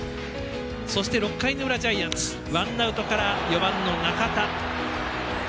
そして、６回の裏ジャイアンツワンアウトから４番の中田。